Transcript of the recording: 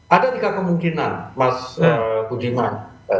ada tiga kemungkinan mas budiman